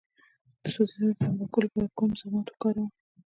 د سوځیدو د تڼاکو لپاره کوم ضماد وکاروم؟